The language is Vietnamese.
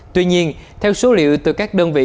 tuy nhiên theo số liệu từ các đơn vị